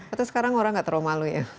atau sekarang orang gak terlalu malu ya